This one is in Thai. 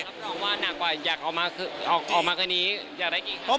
ก็บอกว่านักกว่าอยากเอามาคือออกมาคือนี้อยากได้กี่ครั้ง